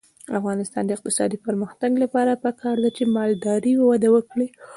د افغانستان د اقتصادي پرمختګ لپاره پکار ده چې مالداري وده وکړي.